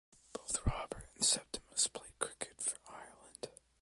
Both Robert and Septimus played cricket for Ireland.